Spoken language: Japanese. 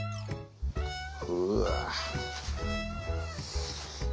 うわ！